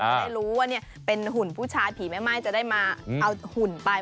จะได้รู้ว่าเป็นหุ่นผู้ชายผีแม่ไม้จะได้มาเอาหุ่นไป